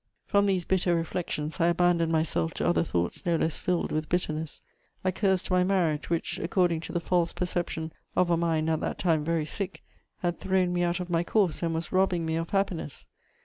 From these bitter reflections I abandoned myself to other thoughts no less filled with bitterness: I cursed my marriage, which, according to the false perception of a mind at that time very sick, had thrown me out of my course and was robbing me of happiness.